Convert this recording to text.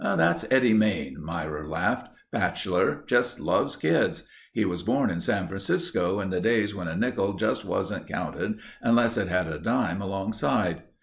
"That's Eddie Main," Myra laughed. "Bachelor. Just loves kids. He was born in San Francisco in the days when a nickel just wasn't counted unless it had a dime alongside.